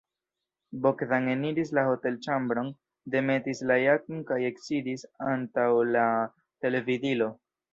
Bogdan eniris la hotelĉambron, demetis la jakon kaj eksidis antaŭ la televidilo.